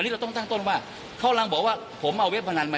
เมียถึงจะให้ลาออกจัดไว้ไหม